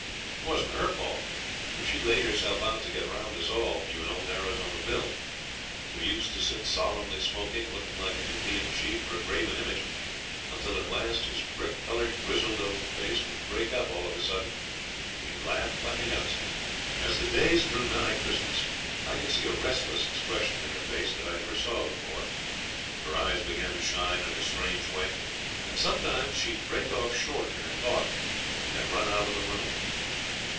It wasn't her fault, for she laid herself out to get round us all, even old Arizona Bill, who used to sit solemnly smoking, looking like an Indian chief or a graven image, until at last his brick coloured, grizzled old face would break up all of a sudden, and he'd laugh like a youngster. As the days drew nigh Christmas I could see a restless expression in her face that I never saw before. Her eyes began to shine in a strange way, and sometimes she'd break off short in her talk and run out of the room.